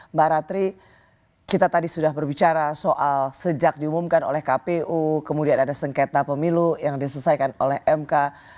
mbak ratri kita tadi sudah berbicara soal sejak diumumkan oleh kpu kemudian ada sengketa pemilu yang diselesaikan oleh mk